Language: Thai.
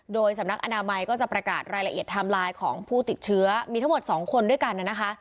โดยสำนักอนามัยก็จะประกาศรายละเอียดไทม์ไลน์ของผู้ติดเชื้อมีทั้งหมด๒คนด้วยกันนะคะ